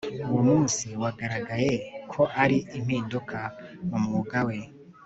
Uwo munsi wagaragaye ko ari impinduka mu mwuga we